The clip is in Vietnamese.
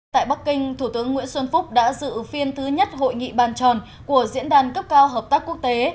tại bắc kinh thủ tướng nguyễn xuân phúc đã dự phiên thứ nhất hội nghị bàn tròn của diễn đàn cấp cao hợp tác quốc tế